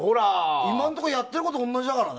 今のところやってること同じだからね。